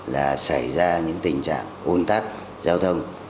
là xảy ra những tình trạng ồn tắc giao thông